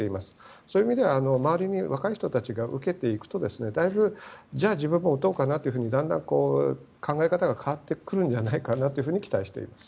そういう意味では周りの若い人たちが受けていくとじゃあ自分も打とうかなとだんだん考え方が変わってくるんじゃないかなと期待しています。